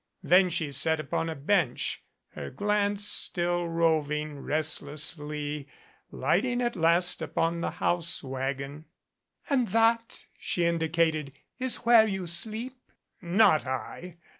Then she sat upon a bench, her glance still roving restlessly, lighting at last upon the house wagon. "And that," she indicated, "is where you sleep?" "Not I.